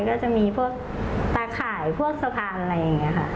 ก็จะมีพวกตาข่ายพวกสะพานอะไรอย่างนี้ค่ะ